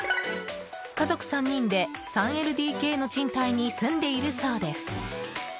家族３人で、３ＬＤＫの賃貸に住んでいるそうです。